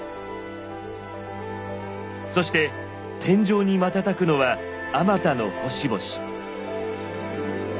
そして天井に瞬くのはあまたの星々。